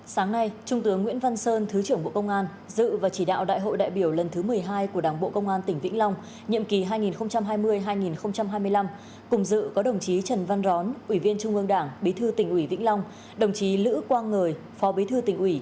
sáng nay trung tướng nguyễn văn sơn thứ trưởng bộ công an dự và chỉ đạo đại hội đại biểu lần thứ một mươi hai của đảng bộ công an tỉnh vĩnh long nhiệm kỳ hai nghìn hai mươi hai nghìn hai mươi năm cùng dự có đồng chí trần văn rón ủy viên trung ương đảng bí thư tỉnh ủy vĩnh long đồng chí lữ quang ngời phó bí thư tỉnh ủy